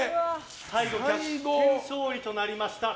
最後、逆転勝利となりました。